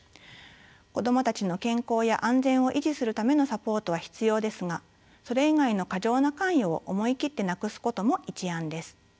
子どもたちの健康や安全を維持するためのサポートは必要ですがそれ以外の過剰な関与を思い切ってなくすことも一案です。